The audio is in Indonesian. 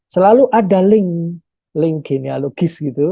selalu ada link genealogis gitu